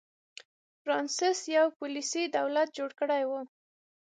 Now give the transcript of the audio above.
فرانسس یو پولیسي دولت جوړ کړی و.